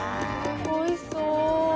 おいしそう！